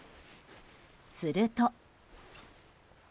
すると。